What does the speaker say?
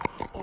あ？